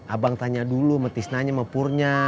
abang tanya dulu sama tisnanya sama purnya